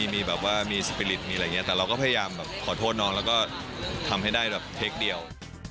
มีแบบว่ามีสปิริตมีอะไรอย่างนี้แต่เราก็พยายามแบบขอโทษน้องแล้วก็ทำให้ได้แบบเทคเดียว